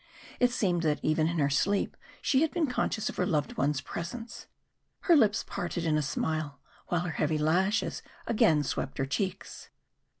It seemed that even in her sleep she had been conscious of her loved one's presence. Her lips parted in a smile, while her heavy lashes again swept her cheeks.